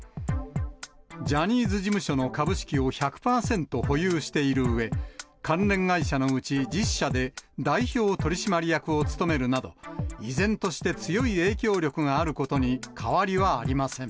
ジャニーズ事務所の株式を１００％保有しているうえ、関連会社のうち１０社で、代表取締役を務めるなど、依然として強い影響力があることに変わりはありません。